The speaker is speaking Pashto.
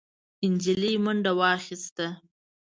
نجلۍ منډه واخيسته.